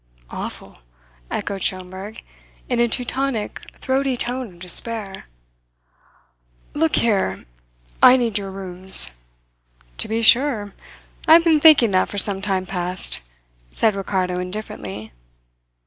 "Awful," echoed Schomberg, in a Teutonic throaty tone of despair. "Look here, I need your rooms." "To be sure. I have been thinking that for some time past," said Ricardo indifferently.